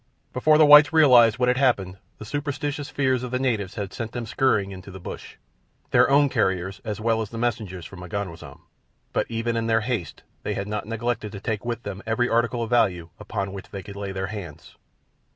Before the whites realized what had happened the superstitious fears of the natives had sent them scurrying into the bush—their own carriers as well as the messengers from M'ganwazam—but even in their haste they had not neglected to take with them every article of value upon which they could lay their hands.